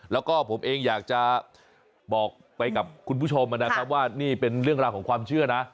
แล้วก็ผมเองอยากจะบอกไปกับคุณผู้ชมนะครับว่านี่เป็นเรื่องราวของความเชื่อนะ